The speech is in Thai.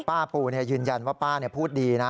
ปูยืนยันว่าป้าพูดดีนะ